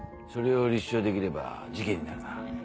それを立証できれば事件になるな。